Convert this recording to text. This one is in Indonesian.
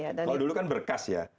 kalau dulu kan berkas ya